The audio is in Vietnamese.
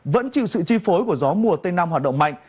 vẫn chịu sự chi phối của gió mùa tây nam hoạt động mạnh